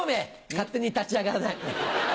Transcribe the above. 勝手に立ち上がらない。